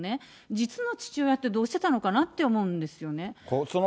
実の父親ってどうしてたのかなって思うんですよね。